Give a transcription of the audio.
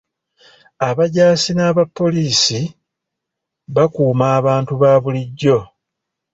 Abajaasi n'aba poliisi bakuuma abantu ba bulijjo.